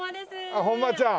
あっ本間ちゃん。